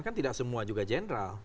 kan tidak semua juga general